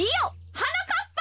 はなかっぱ。